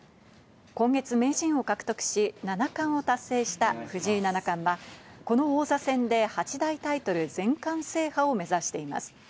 今月名人を獲得し、７冠を達成した藤井七冠は、この王座戦で８大タイトル全冠制覇を目指しています。